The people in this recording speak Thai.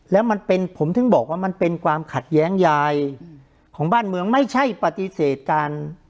แล้วมันเป็นผมถึงบอกว่ามันเป็นความขัดแย้งยายของบ้านเมืองไม่ใช่ปฏิเสธการ